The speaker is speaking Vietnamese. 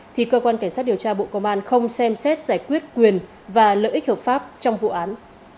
thì cơ quan cảnh sát điều tra bộ công an không xem xét giải quyết quyền và lợi ích hợp pháp trong vụ án